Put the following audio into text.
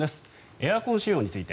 エアコン使用について。